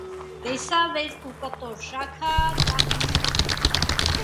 Տեսավ էրկու կտոր շաքար պակաս ա.